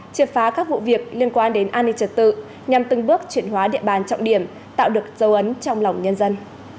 triệt phá các vụ việc liên quan đến an ninh trật tự nhằm từng bước chuyển hóa địa bàn trọng điểm tạo được dấu ấn trong lòng nhân dân